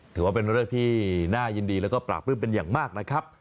ถือว่าเป็นเรื่องที่น่ายินดีแล้วก็ปราบปลื้มเป็นอย่างมากนะครับ